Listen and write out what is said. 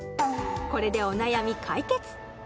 これでお悩み解決！